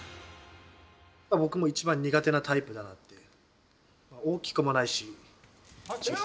僕も一番苦手なタイプだなっていう。